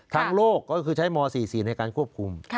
โลกก็คือใช้ม๔๔ในการควบคุม